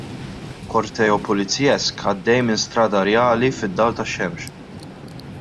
Korteo pulizjesk għaddej minn Strada Rjali fid-dawl tax-xemx.